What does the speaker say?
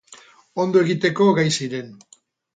Ondo egiteko gai ziren.